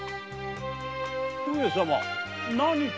上様何か？